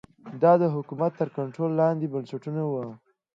دا د حکومت تر کنټرول لاندې بنسټونه وو